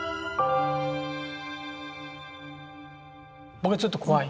僕はちょっと怖い。